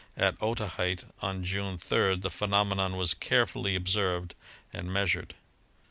At Otaheite, on June 3d, the phenomenon was carefully observed and meas ured.